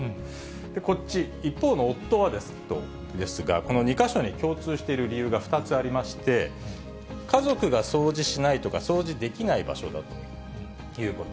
こっち、一方の夫は、この２か所に共通している理由が２つありまして、家族が掃除しないとか、掃除できない場所だということ。